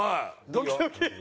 ドキドキ。